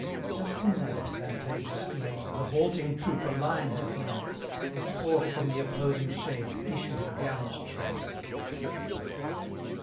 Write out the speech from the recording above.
105 Just in that advantageous glade, The halting troop a line had made, As forth from the opposing shade Issued a gallant train.